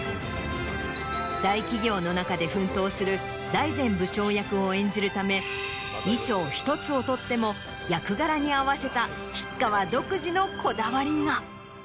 財前部長役を演じるため衣裳１つを取っても役柄に合わせた吉川独自のこだわりが。